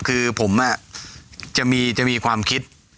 คือผมจะมีความคิด